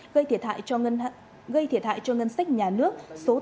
gây thiệt hại cho ngân sách nhà nước